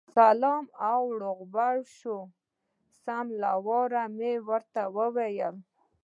سلا او روغبړ شو، سم له واره یې ورته وویل.